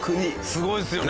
すごいですよね。